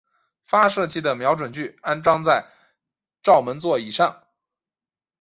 发射器的瞄准具安装在照门座以上。